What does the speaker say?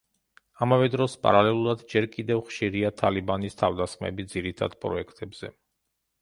ამავე დროს, პარალელურად, ჯერ კიდევ ხშირია თალიბანის თავდასხმები ძირითად პროექტებზე.